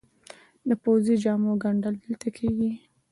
د پوځي جامو ګنډل دلته کیږي؟